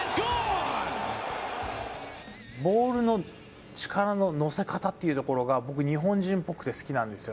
ボールの力の乗せ方というのが僕、日本人ぽくて好きなんですよ。